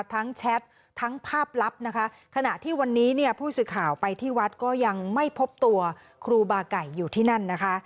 แชททั้งภาพลับนะคะขณะที่วันนี้เนี่ยผู้สื่อข่าวไปที่วัดก็ยังไม่พบตัวครูบาไก่อยู่ที่นั่นนะคะ